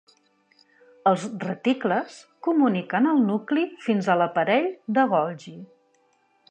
Els reticles comuniquen el nucli fins a l'aparell de Golgi.